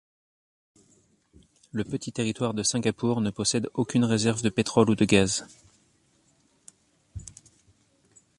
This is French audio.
Le petit territoire de Singapour ne possède aucune réserve de pétrole ou de gaz.